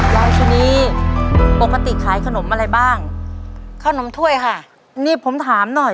ยายคนนี้ปกติขายขนมอะไรบ้างขนมถ้วยค่ะนี่ผมถามหน่อย